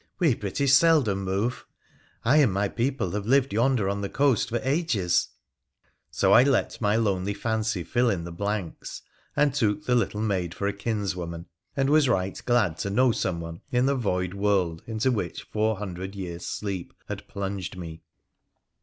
We British seldom move ; I and my people have lived yonder on the coast for ages !' So I let my lonely fancy fill in the blanks, and took the little maid for a kinswoman, and was right glad to know someone in the void world into which four hundred years' sleep had plunged me.